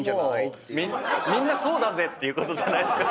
みんなそうだぜ！っていうことじゃないっすか。